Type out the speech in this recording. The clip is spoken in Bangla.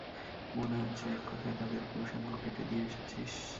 মনে হচ্ছে এক কথায় তাদের পুরুষাঙ্গ কেটে দিয়ে এসেছিস।